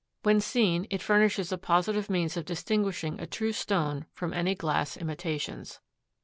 When seen it furnishes a positive means of distinguishing a true stone from any glass imitations.